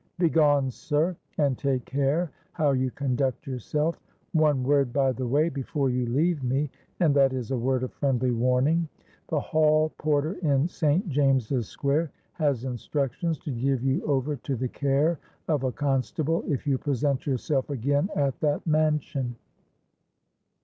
Begone, sir; and take care how you conduct yourself. One word, by the way, before you leave me—and that is a word of friendly warning. The hall porter in St. James's Square has instructions to give you over to the care of a constable, if you present yourself again at that mansion.'